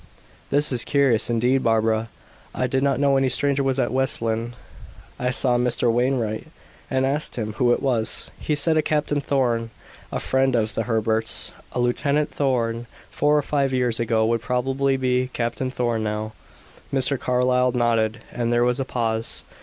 "This is curious, indeed, Barbara. I did not know any stranger was at West Lynne." "I saw Mr. Wainwright, and asked him who it was. He said a Captain Thorn, a friend of the Herberts. A Lieutenant Thorn four or five years ago would probably be Captain Thorn now." Mr. Carlyle nodded, and there was a pause.